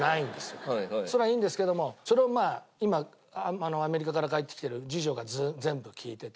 それはいいんですけどもそれをまあ今アメリカから帰ってきてる次女が全部聞いてて。